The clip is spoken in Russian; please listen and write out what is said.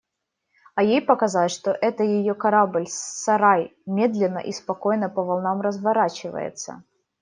А ей показалось, что это ее корабль-сарай медленно и спокойно по волнам разворачивается.